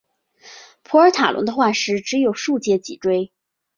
普尔塔龙的化石只有数节脊椎。